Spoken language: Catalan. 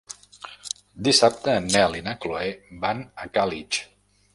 Dissabte en Nel i na Chloé van a Càlig.